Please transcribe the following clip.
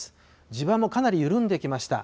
地盤もかなり緩んできました。